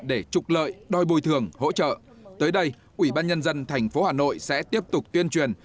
để trục lợi đòi bồi thường hỗ trợ tới đây ủy ban nhân dân tp hà nội sẽ tiếp tục tuyên truyền